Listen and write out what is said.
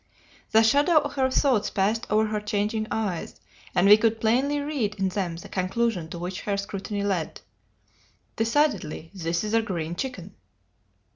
The shadow of her thoughts passed over her changing eyes, and we could plainly read in them the conclusion to which her scrutiny led, 'Decidedly this is a green chicken.'